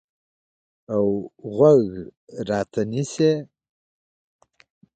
اوغوږ راته نیسي